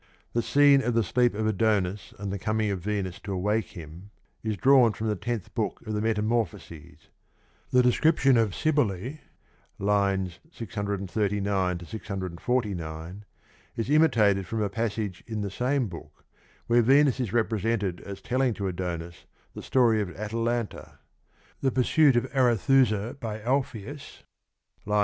The scene of the sleep of Adonis and the coming of Venus to awake him is drawn from the tenth book of the Metamorphoses; the description of Cybele (II. 639 649) is imitated from a passage in the same book where Venus is represented as telling to Adonis the story of Atalanta; the pursuit of Arethusa by Alpheus (II.